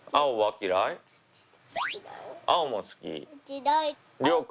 青も好き。